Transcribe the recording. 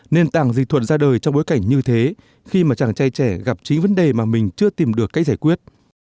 nên tàng dịch thuận ra đời trong bối cảnh như thế khi mà chàng trai trẻ gặp chính vấn đề mà mình chưa tìm được cách giải quyết